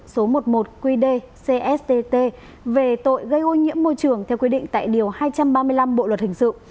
số một mươi một qd cst về tội gây ô nhiễm môi trường theo quy định tại điều hai trăm ba mươi năm bộ luật hình sự